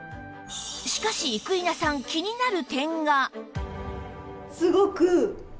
しかし生稲さん気になる点が